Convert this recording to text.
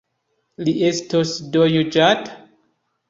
Li estos do juĝata?